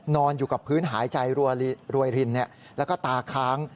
นอนอยู่กับพื้นหายใจรวยรินแล้วก็ตาค้าง